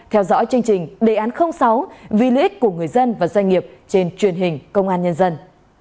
theo dõi chương trình đề án sáu vì lợi ích của người dân và doanh nghiệp trên truyền hình công an nhân dân